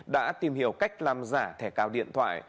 đã tìm hiểu cách làm giả thẻ cào điện thoại